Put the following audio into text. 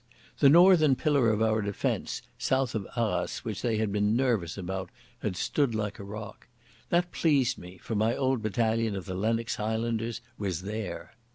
The northern pillar of our defence, south of Arras, which they had been nervous about, had stood like a rock. That pleased me, for my old battalion of the Lennox Highlanders was there.